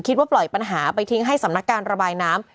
ปล่อยปัญหาไปทิ้งให้สำนักการระบายน้ำ